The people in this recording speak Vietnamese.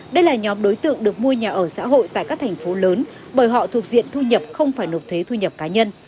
đây là nhóm đối tượng được mua nhà ở xã hội tại các thành phố lớn bởi họ thuộc diện thu nhập không phải nộp thuế thu nhập cá nhân